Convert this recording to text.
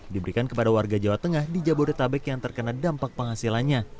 diberikan kepada warga jawa tengah di jabodetabek yang terkena dampak penghasilannya